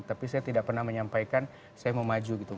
tapi saya tidak pernah menyampaikan saya mau maju gitu